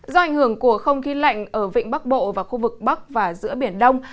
do ảnh hưởng của không khí lạnh ở vịnh bắc bộ và khu vực bắc và giữa biển đông